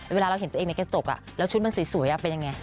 เวลาเราเห็นตัวเองในกระจกแล้วชุดมันสวยเป็นยังไง